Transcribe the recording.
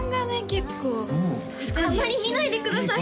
結構あんまり見ないでください！